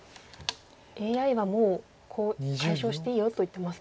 ＡＩはもうコウを解消していいよと言ってますね。